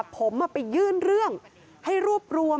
ผมไปยื่นเรื่องให้รวบรวม